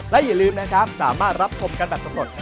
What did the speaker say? และอย่าลืมนะครับสามารถรับชมกันแบบสำรวจ